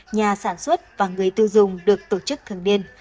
nhà sản xuất và người tiêu dùng được tổ chức thường điên